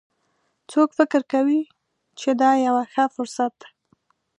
څوک فکر کوي چې دا یوه ښه فرصت ده